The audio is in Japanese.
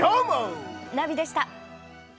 ナビでした。